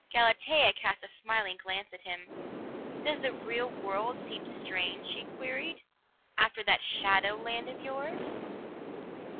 Galatea cast a smiling glance at him. "Does the real world seem strange," she queried, "after that shadow land of yours?"